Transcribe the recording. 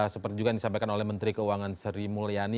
seperti juga yang disampaikan oleh menteri keuangan sri mulyani